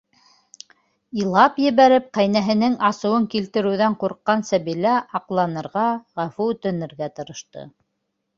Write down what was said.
- Илап ебәреп ҡәйнәһенең асыуын килтереүҙән ҡурҡҡан Сәбилә аҡланырға, ғәфү үтенергә тырышты.